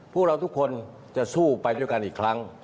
พวกเราทุกคนจะสู้ไปด้วยกันอีกครั้ง